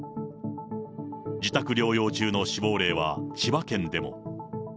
自宅療養中の死亡例は千葉県でも。